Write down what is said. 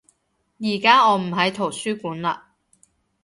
而家我唔喺圖書館嘞